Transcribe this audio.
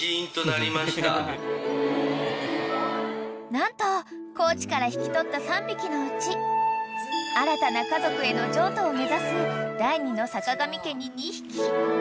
［何と高知から引き取った３匹のうち新たな家族への譲渡を目指す第２のさかがみ家に２匹］